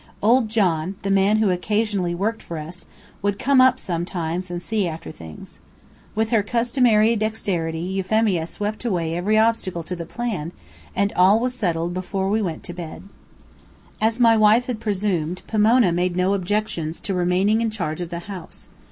Old John, the man who occasionally worked for us, would come up sometimes and see after things. With her customary dexterity Euphemia swept away every obstacle to the plan, and all was settled before we went to bed. As my wife had presumed, Pomona made no objections to remaining in charge of the house.